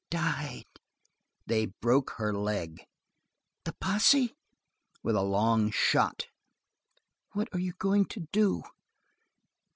"Died." "They broke her leg." "The posse!" "With a long shot." "What are you going to do!"